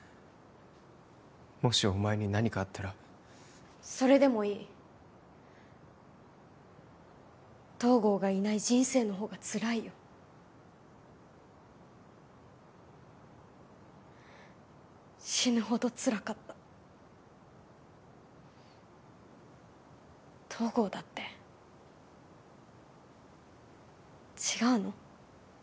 もしお前に何かあったらそれでもいい東郷がいない人生のほうがつらいよ死ぬほどつらかった東郷だって違うの？